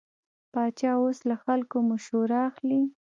پاچا اوس له خلکو مشوره اخلي.